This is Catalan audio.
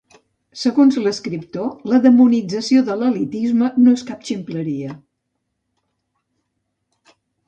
Segons l'escriptor, la demonització de l'elitisme no és cap ximpleria.